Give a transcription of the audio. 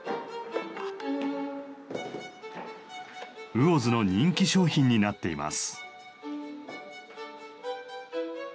魚津の人気商品になっています。